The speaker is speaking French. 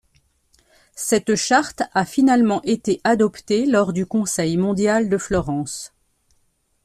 Cette Charte a finalement été adoptée lors du Conseil mondial de Florence.